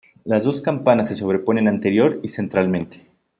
Las dos campanas se sobreponen anterior y centralmente.